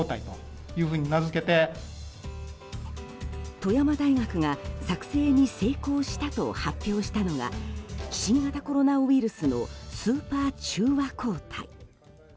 富山大学が作製に成功したと発表したのが新型コロナウイルスのスーパー中和抗体。